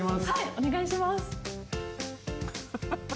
お願いします。